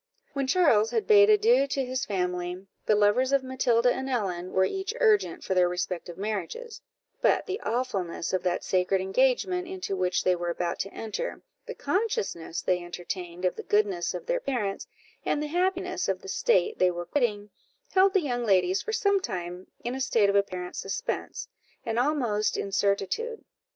When Charles had bade adieu to his family, the lovers of Matilda and Ellen were each urgent for their respective marriages: but the awfulness of that sacred engagement into which they were about to enter, the consciousness they entertained of the goodness of their parents, and the happiness of the state they were quitting, held the young ladies for some time in a state of apparent suspense, and almost incertitude.